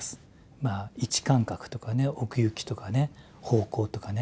位置感覚とかね奥行きとかね方向とかね。